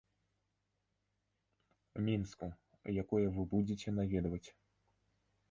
Мінску, якое вы будзеце наведваць?